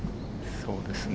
そうですね。